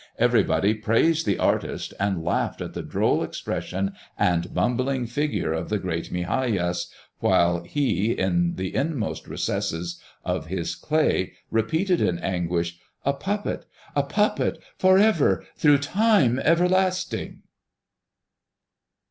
Everybody praised the artist, and laughed at the droll expression and bungling figure of the great Migajas, while he in the inmost recesses of his clay repeated in anguish, "A puppet! a puppet! forever! through time everlasting!"